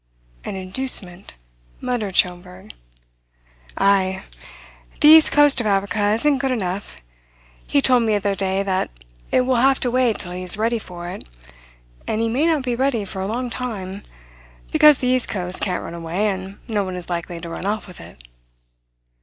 "An inducement?" muttered Schomberg. "Ay. The east coast of Africa isn't good enough. He told me the other day that it will have to wait till he is ready for it; and he may not be ready for a long time, because the east coast can't run away, and no one is likely to run off with it."